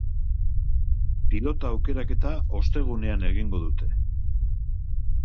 Pilota aukeraketa ostegunean egingo dute.